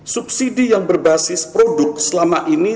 subsidi yang berbasis produk selama ini